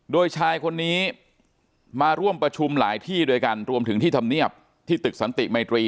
โดยชายคนนี้มาร่วมประชุมหลายที่ด้วยกันรวมถึงที่ธรรมเนียบที่ตึกสันติมัยตรี